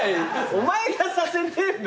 お前がさせてんだ。